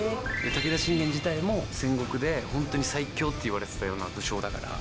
武田信玄自体も戦国でホントに最強といわれてたような武将だから。